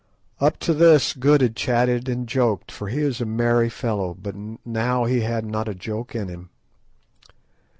Up to this Good had chatted and joked, for he is a merry fellow; but now he had not a joke in him.